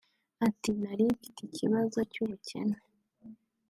Agira ati “Nari mfite ikibazo cy’ubukene